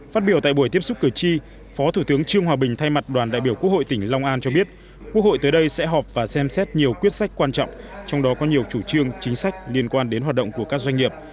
phát biểu tại buổi tiếp xúc cử tri phó thủ tướng trương hòa bình thay mặt đoàn đại biểu quốc hội tỉnh long an cho biết quốc hội tới đây sẽ họp và xem xét nhiều quyết sách quan trọng trong đó có nhiều chủ trương chính sách liên quan đến hoạt động của các doanh nghiệp